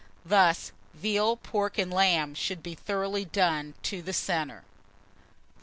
Thus veal, pork, and lamb, should be thoroughly done to the centre. 584.